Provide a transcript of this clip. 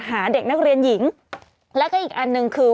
เด็กนักเรียนหญิงแล้วก็อีกอันหนึ่งคือ